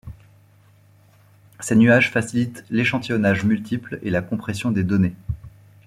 Ces nuages facilitent l'échantillonnage multiple et la compression des données.